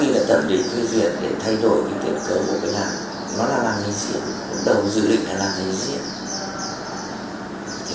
đồng dự định là làm dây diệt